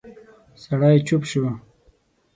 سړی چوپ شو.